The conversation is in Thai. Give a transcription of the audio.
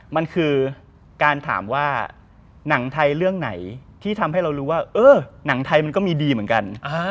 มันคือการถามว่าหนังไทยเรื่องไหนที่ทำให้เรารู้ว่าเออหนังไทยมันก็มีดีเหมือนกัน